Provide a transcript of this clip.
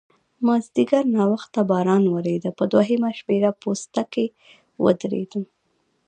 مازیګر ناوخته باران ودرېد، په دوهمه شمېره پوسته کې ودرېدم.